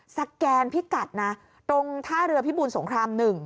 สแกนพิกัดนะตรงท่าเรือพิบูรสงคราม๑